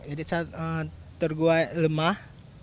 jadi saya tergoyak lemah